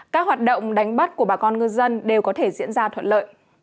các hoạt động đánh bắt của bà con ngư dân đều có thể diễn ra thuận lợi